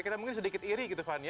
kita mungkin sedikit iri gitu fanny